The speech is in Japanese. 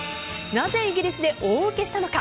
なぜイギリスで大ウケしたのか。